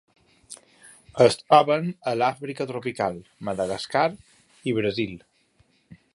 Es troben a l'Àfrica tropical, Madagascar i Brasil.